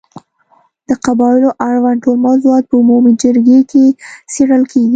د قبایلو اړوند ټول موضوعات په عمومي جرګې کې څېړل کېږي.